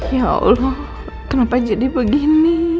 ya allah kenapa jadi begini